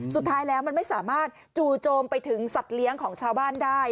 สุดท้ายแล้วมันไม่สามารถจู่โจมไปถึงสัตว์เลี้ยงของชาวบ้านได้